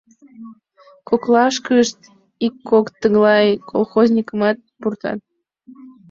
Коклашкышт ик-кок тыглай колхозникымат пуртат.